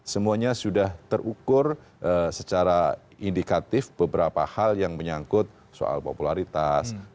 semuanya sudah terukur secara indikatif beberapa hal yang menyangkut soal popularitas